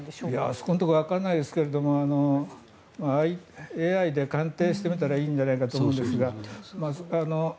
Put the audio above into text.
そこのところわからないですがＡＩで鑑定してみたらいいんじゃないかと思いますが。